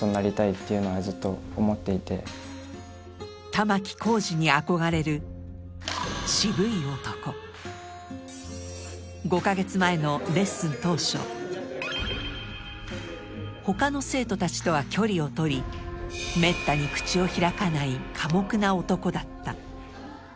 玉置浩二に憧れる５か月前のレッスン当初他の生徒たちとは距離を取りめったに口を開かない寡黙な男だった